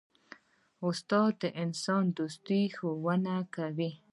استاد د انسان دوستي ښوونه کوي.